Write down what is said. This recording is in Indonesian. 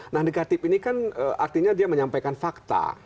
nah negatif ini kan artinya dia menyampaikan fakta